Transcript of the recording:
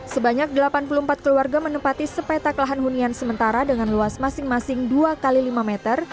sebanyak delapan puluh empat keluarga menempati sepetak lahan hunian sementara dengan luas masing masing dua x lima meter